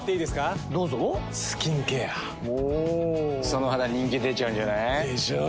その肌人気出ちゃうんじゃない？でしょう。